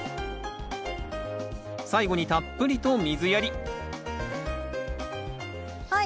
最後にたっぷりと水やりはい。